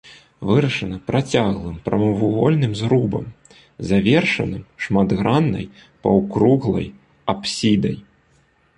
Вырашана працяглым прамавугольным зрубам, завершаным шматграннай паўкруглай апсідай.